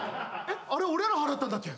えっあれ俺ら払ったんだっけ？